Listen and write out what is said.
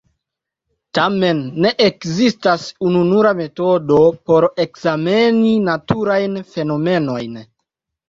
Tamen, ne ekzistas ununura metodo por ekzameni naturajn fenomenojn.